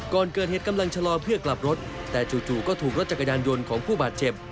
ก่อนเกิดเหตุกำลังชะลอเพื่อกลับรถแต่จู่ก็ถูกรถจักรยานยนต์ของผู้บาดเจ็บ